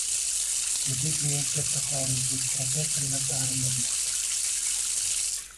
Yuridik universitetda xorijlik professorlar ta’lim bermoqda